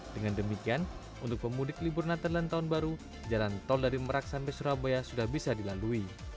dengan demikian untuk pemudik libur natal dan tahun baru jalan tol dari merak sampai surabaya sudah bisa dilalui